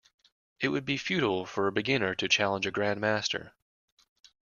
It would be futile for a beginner to challenge a grandmaster.